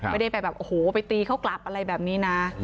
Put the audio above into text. ไม่ได้ไปแบบโอ้โหไปตีเขากลับอะไรแบบนี้นะ